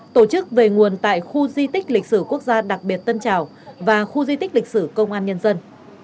tổ chức về nguồn tại khu di tích lịch sử quốc gia đặc biệt tân trào và khu di tích lịch sử công an nhân dân